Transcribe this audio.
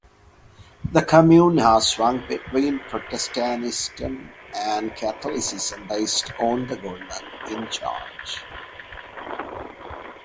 The commune has swung between Protestantism and Catholicism based on the government in charge.